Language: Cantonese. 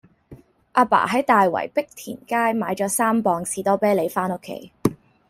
亞爸喺大圍碧田街買左三磅士多啤梨返屋企